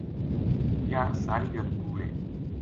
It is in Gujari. یاہ ساری گل کوڑ ہے